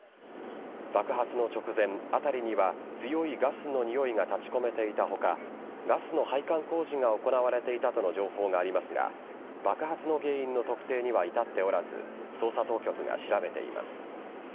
爆発の直前、辺りには強いガスのにおいが立ち込めていた他ガスの配管工事が行われていたとの情報がありますが爆発の原因の特定には至っておらず捜査当局が調べています。